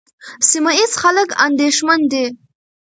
سیمه ییز خلک اندېښمن دي.